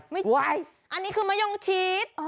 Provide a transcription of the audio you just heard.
ไม่ใช่อันนี้คือมะยงชีส